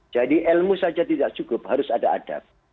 jadi ilmu saja tidak cukup harus ada adab